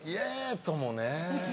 ともね。